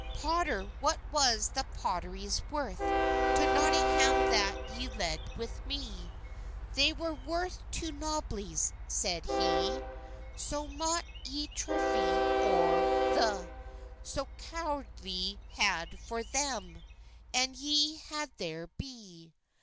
"Potter, what was they pottys worthe To Notynggam that y ledde with me?" "They wer worth two nobellys," seyd he, "So mot y treyffe or the; So cowde y had for tham, And y had ther be."